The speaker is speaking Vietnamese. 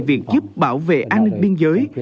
việc giúp bảo vệ an ninh biên giới